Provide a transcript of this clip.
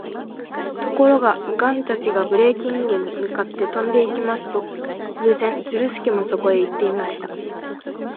ところが、ガンたちがブレーキンゲに向かって飛んでいきますと、偶然、ズルスケもそこへいっていました。